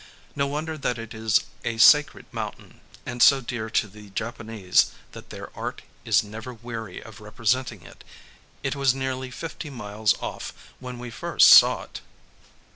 No wonder that it is a sacred mountain, and so dear to the Japanese that their art is never weary of representing it. It was nearly fifty miles off when we first saw it.